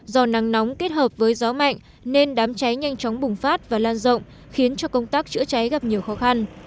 do nắng nóng kết hợp với gió mạnh nên đám cháy nhanh chóng bùng phát và lan rộng khiến cho công tác chữa cháy gặp nhiều khó khăn